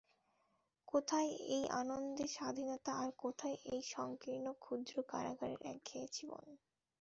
কোথায় এই আনন্দের স্বাধীনতা আর কোথায় সেই সংকীর্ণ ক্ষুদ্র কারাগারের একঘেয়ে জীবন।